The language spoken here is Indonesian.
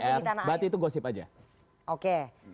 berarti itu gosip aja